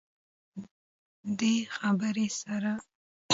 دې خبرې سره